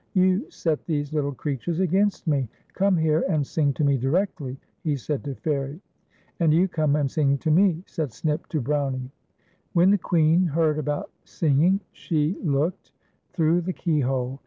"You set these little creatures against me. Come here and sing to me directly," he said to Fairie. "And you come and sing to me," said Snip to Brownie. When the Queen heard about singing, she looked i8o FAIR IE AND BROWNIE. through the keyhole.